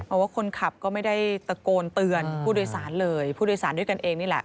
เพราะว่าคนขับก็ไม่ได้ตะโกนเตือนผู้โดยสารเลยผู้โดยสารด้วยกันเองนี่แหละ